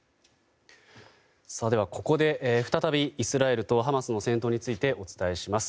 ここで再びイスラエルとハマスの戦闘についてお伝えします。